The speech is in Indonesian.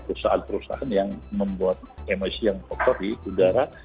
perusahaan perusahaan yang membuat emosi yang pokok di udara